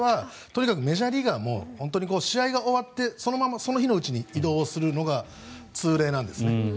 これはメジャーリーガーも試合が終わってその日のうちに移動するのが通例なんですね。